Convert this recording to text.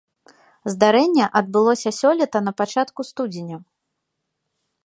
Здарэнне адбылося сёлета на пачатку студзеня.